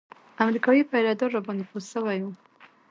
امريکايي پيره دار راباندې پوه سوى و.